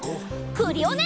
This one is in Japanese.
クリオネ！